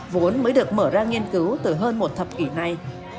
vốn mới được mở ra nghiên cứu từ hơn một thập kỷ này